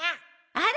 あら？